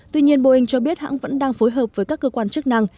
tuy nhiên boeing cho biết hãng vẫn đang phối hợp với các cơ quan chức năng